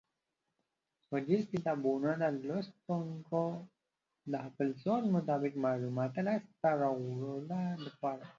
غږیز کتابونه د لوستونکو د خپل ذوق مطابق معلوماتو لاسته راوړلو لپاره